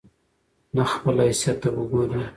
نه خپل حيثت ته وګوري